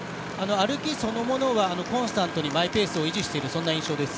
歩きそのものはコンスタントにマイペースを維持しているそんな印象です。